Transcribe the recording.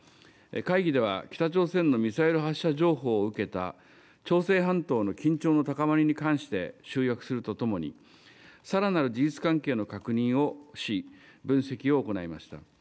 会議では北朝鮮のミサイル発射情報を受けた朝鮮半島の緊張の高まりに関して集約するとともに、さらなる事実関係の確認をし、分析を行いました。